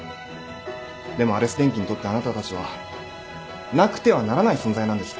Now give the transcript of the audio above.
でもアレス電機にとってあなたたちはなくてはならない存在なんです。